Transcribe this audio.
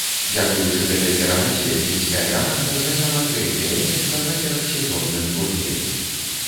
Дзякуючы гэтай перамозе мінская каманда заняла трэцяе месца на перадсезонным турніры.